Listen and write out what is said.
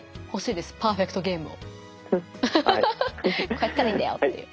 こうやったらいいんだよっていう。